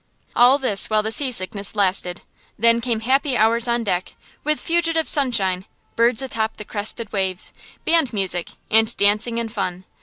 All this while the seasickness lasted. Then came happy hours on deck, with fugitive sunshine, birds atop the crested waves, band music and dancing and fun.